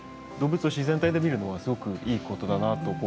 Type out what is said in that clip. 動物を自然体で見るのはすごくいいことだなと。